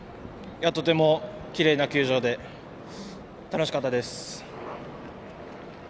とてもきれいな球場で楽しかったです。